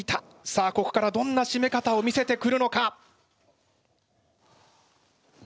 さあここからどんなしめ方を見せてくるのか？